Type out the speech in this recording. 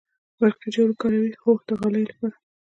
برقی جارو کاروئ؟ هو، د غالیو لپاره